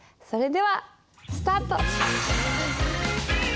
それではスタート！